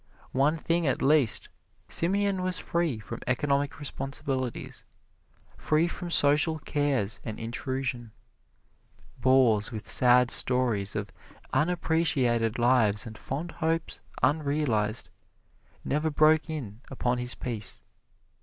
One thing at least, Simeon was free from economic responsibilities, free from social cares and intrusion. Bores with sad stories of unappreciated lives and fond hopes unrealized, never broke in upon his peace.